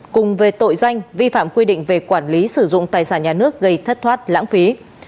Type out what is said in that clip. cùng về tội danh vi phạm quy định về quản lý sử dụng tài sản nhà nước gây thất thoát lãng phí